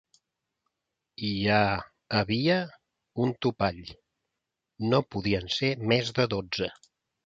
Hi ha havia un topall: no podien ser més de dotze.